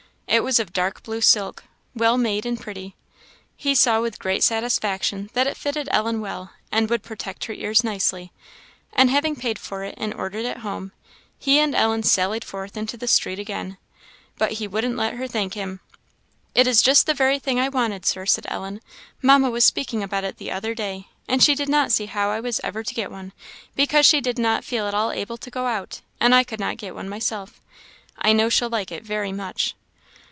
It was of dark blue silk, well made and pretty. He saw with great satisfaction that it fitted Ellen well, and would protect her ears nicely; and having paid for it, and ordered it home, he and Ellen sallied forth into the street again. But he wouldn't let her thank him. "It is just the very thing I wanted, Sir," said Ellen; "Mamma was speaking about it the other day, and she did not see how I was ever to get one, because she did not feel at all able to go out, and I could not get one myself; I know she'll like it very much."